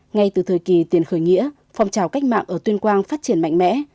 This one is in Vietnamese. ngay từ thời kỳ tiền khởi nghĩa phong trào cách mạng ở tuyên quang phát triển mạnh mẽ